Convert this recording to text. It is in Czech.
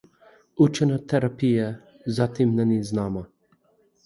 Účinná terapie zatím není známa.